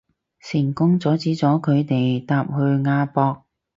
成功阻止咗佢哋搭去亞博